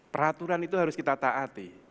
peraturan itu harus kita taati